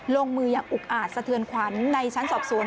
ลงมืออย่างอุกอาจสะเทือนขวัญในชั้นสอบสวน